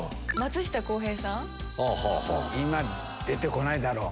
今出てこないだろう。